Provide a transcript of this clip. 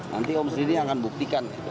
nanti om sri ini yang akan buktikan